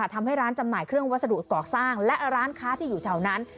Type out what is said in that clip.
ทำให้ร้านจำหน่ายเครื่องวัสดุก่อสร้างและร้านค้าที่อยู่แถวนั้น